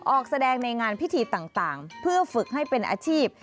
ออกแสดงในงานพิธีต่างเพื่อฝึกให้เป็นอาชีพ